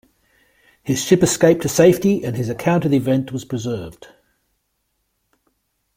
His ship escaped to safety and his account of the event was preserved.